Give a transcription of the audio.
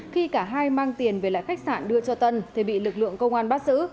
khi cả hai mang tiền về lại khách sạn đưa cho tân thì bị lực lượng công an bắt giữ